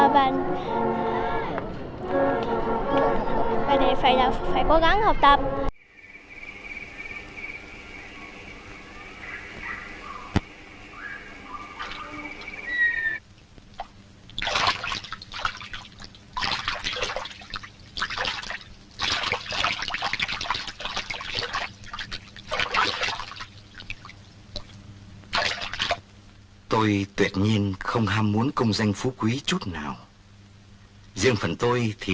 và thì phải là phải cố gắng học tập